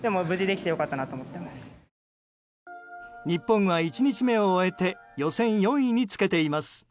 日本は１日目を終えて予選４位につけています。